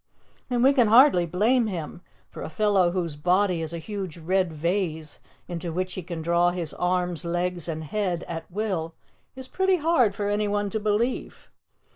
And we can hardly blame him, for a fellow whose body is a huge red vase into which he can draw his arms, legs and head, at will, is pretty hard for anyone to believe.